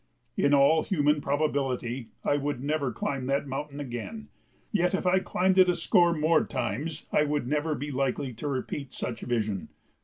In all human probability I would never climb that mountain again; yet if I climbed it a score more times I would never be likely to repeat such vision.